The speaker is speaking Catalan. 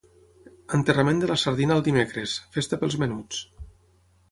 Enterrament de la sardina el dimecres, festa pels menuts.